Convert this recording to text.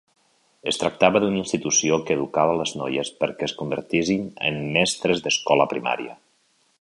Es tractava d'una institució que educava les noies perquè es convertissin en mestres d'escola primària.